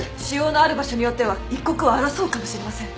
腫瘍のある場所によっては一刻を争うかもしれません。